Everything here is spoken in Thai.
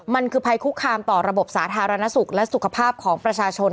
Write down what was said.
มันคือภัยคุกคามต่อระบบสาธารณสุขและสุขภาพของประชาชน